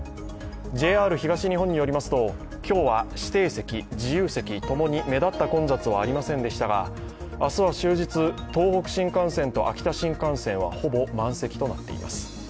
ＪＲ東日本によりますと、今日は指定席、自由席、共に目立った混雑はありませんでしたが明日は終日、東北新幹線と秋田新幹線はほぼ満席となっています。